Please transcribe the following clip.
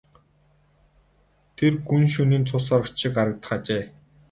Тэр гүн шөнийн цус сорогч шиг харагдах ажээ.